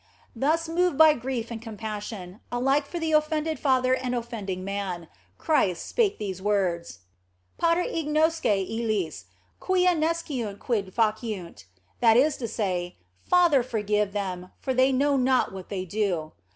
Thus moved by grief and compassion, alike for the offended Father and offending man, Christ spake these words, Pater ignosce illis quia nesciunt quid faciunt, that is to say, " Father, forgive them, for they know not what they do."